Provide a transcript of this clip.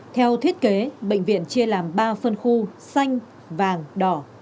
theo thiết kế bệnh viện chia làm ba phân khu xanh vàng đỏ